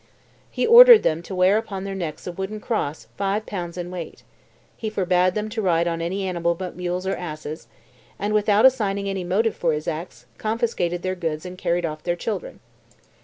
He ordered them to wear upon their necks a wooden cross five pounds in weight; he forbade them to ride on any animal but mules or asses; and, without assigning any motive for his acts, he confiscated their goods and carried off their children.